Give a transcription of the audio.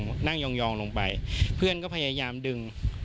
ก็นั่งยองลงไปเพื่อนก็พยายามดึง